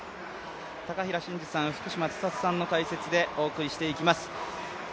高平慎士さん、福島千里さんの解説でお送りしていきます。